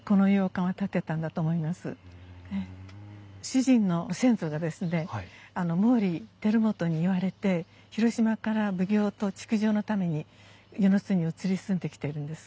主人の先祖がですね毛利輝元に言われて広島から奉行と築城のために温泉津に移り住んできてるんです。